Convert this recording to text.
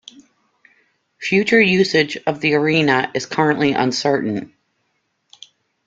Future usage of the arena is currently uncertain.